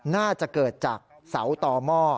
น่าจะเกิดจากเสาต่อหม้อ